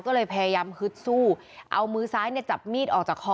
ก็เลยพยายามฮึดสู้เอามือซ้ายเนี่ยจับมีดออกจากคอ